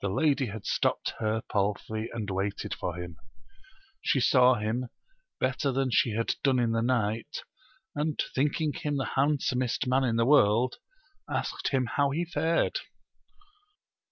The lady had stopped her palfry, and waited for him. She saw him, better than she had done in the night, and thinking him the handsomest man in the world, asked bim how he fared